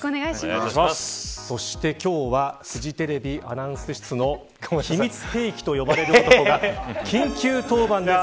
そして今日はフジテレビアナウンス室の秘密兵器と呼ばれる男が緊急登板です。